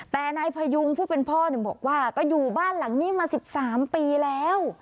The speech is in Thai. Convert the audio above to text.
แต่นายพยุงผู้เป็นพ่อบอกว่าก็อยู่บ้านหลังนี้มา๑๓ปีแล้ว